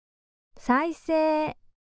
再生！